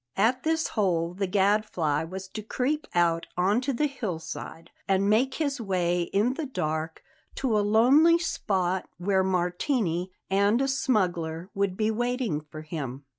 At this hole the Gadfly was to creep out on to the hillside, and make his way in the dark to a lonely spot where Martini and a smuggler would be waiting for him.